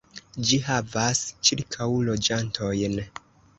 Ĝi havas ĉirkaŭ loĝantojn.